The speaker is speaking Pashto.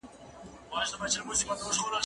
زه هره ورځ سبزیجات وخورم،